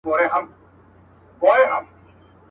جهاني د هغي شپې وېش دي را پرېښود.